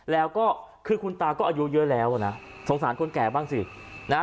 แล้วก็คือคุณตาก็อายุเยอะแล้วอ่ะนะสงสารคนแก่บ้างสินะฮะ